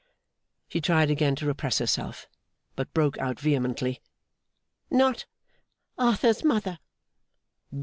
She tried again to repress herself, but broke out vehemently, 'Not Arthur's mother!